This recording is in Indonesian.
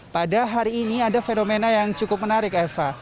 pada hari ini ada fenomena yang cukup menarik eva